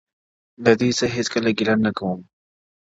د دوى څه هيڅــكـلــــه گـيــلــــه نــــه كــــــوم،